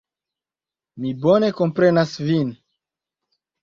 Mi bone komprenas vin.